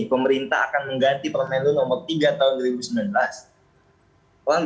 pemerintah akan mengganti permenlu nomor tiga tahun dua ribu sembilan belas